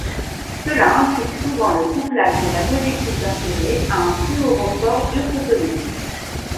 Cela implique souvent le couplage de la molécule d'intérêt à un fluorophore biophotonique.